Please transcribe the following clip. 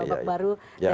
kebanyakan baru dari kasus